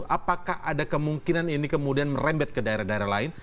apakah ada kemungkinan ini kemudian merembet ke daerah daerah lain